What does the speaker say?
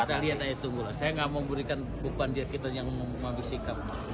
kita lihat aja tunggu lah saya gak mau memberikan pukulannya kita yang menghabiskan